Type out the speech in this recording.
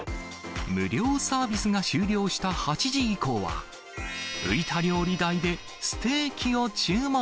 無料サービスが終了した８時以降は、浮いた料理代でステーキを注文。